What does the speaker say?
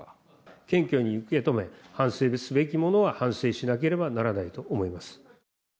謙虚に受け止め、反省すべきものは反省しなければならないと思います。